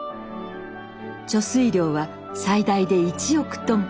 貯水量は最大で１億トン。